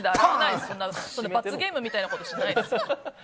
そんな罰ゲームみたいなことしないです。